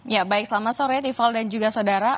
ya baik selamat sore rival dan juga saudara